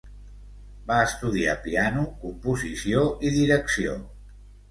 Va estudiar piano, composició i direcció.